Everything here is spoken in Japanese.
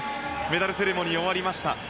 メダルセレモニーが終わりました。